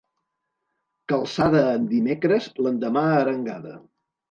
Calçada en dimecres, l'endemà arengada.